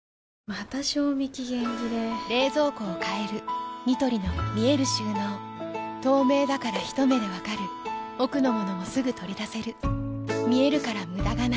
また賞味期限切れ冷蔵庫を変えるニトリの見える収納透明だからひと目で分かる奥の物もすぐ取り出せる見えるから無駄がないよし。